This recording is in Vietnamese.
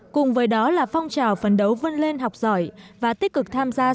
cùng với đó là phong trào phấn đấu vươn lên học giỏi và tích cực tham gia sáng tạo